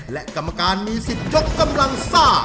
และกรรมการมีสิทธิ์ยกกำลังซ่า